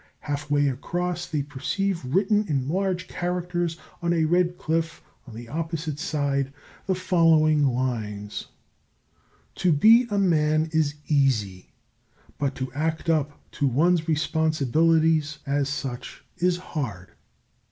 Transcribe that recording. Half way across they perceive written in large characters on a red cliff on the opposite side the following lines: "To be a man is easy, but to act up to one's responsibilities as such is hard.